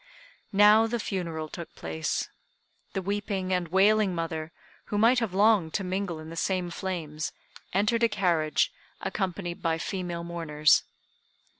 Now the funeral took place. The weeping and wailing mother, who might have longed to mingle in the same flames, entered a carriage, accompanied by female mourners.